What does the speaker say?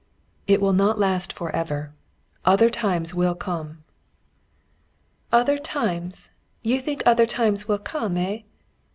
"It will not last for ever other times will come." "Other times! You think other times will come, eh?